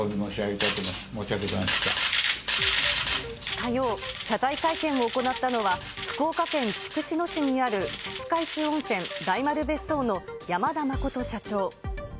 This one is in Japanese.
火曜、謝罪会見を行ったのは、福岡県筑紫野市にある二日市温泉大丸別荘の山田真社長。